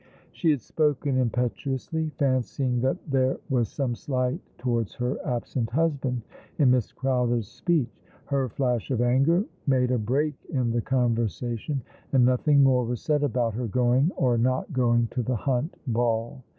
She had spoken imi^etuously, fancying that there was some slight towards her absent husband in Miss Crowther's speech. Her flash of anger made a break in the conversa tion, and nothing more was said about her going or not going to the Hunt Ball.